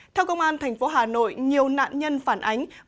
theo công an tp hà nội nhiều nạn nhân phản ánh